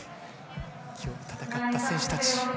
今日戦った選手たち。